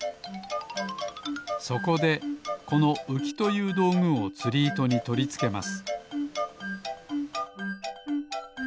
そこでこのうきというどうぐをつりいとにとりつけます